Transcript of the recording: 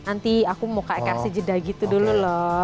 nanti aku mau kayak kasih jeda gitu dulu loh